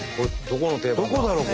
どこだろう？